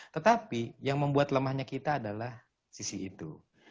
tetapi yang membuat lemahnya kita adalah sisi itu